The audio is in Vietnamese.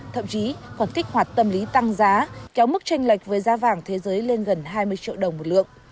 thậm chí còn kích hoạt tâm lý tăng giá kéo mức tranh lệch với giá vàng thế giới lên gần hai mươi triệu đồng một lượng